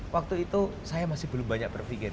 waktu itu saya masih belum banyak berpikir